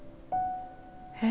えっ。